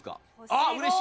ああーうれしい！